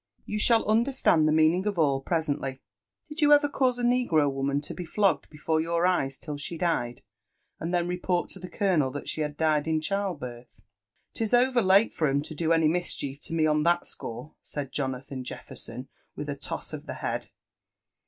''You shall understand the meaning of all presently. Did you ever cause a negro woman to be flogged before your eyes till she died, and then report to the colonel that sh^ had diedin qhildbirth?" '* 'Tis over late for 'em to do any mischief to me on that score," said Jonathan Jefferson with a toss of the head.